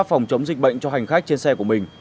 phòng chống dịch bệnh cho hành khách trên xe của mình